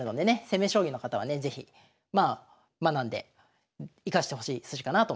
攻め将棋の方はね是非学んで生かしてほしい筋かなと思いますね。